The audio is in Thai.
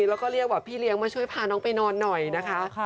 แล้วก็เรียกว่าพี่เลี้ยงมาช่วยพาน้องไปนอนหน่อยนะคะ